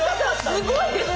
すごいです。